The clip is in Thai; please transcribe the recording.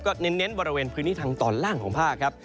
เน้นบริเวณพื้นที่ทางตอนล่างของภาคครับ